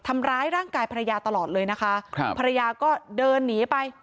ทำร้ายร่างกายภรรยาตลอดเลยนะคะครับภรรยาก็เดินหนีไป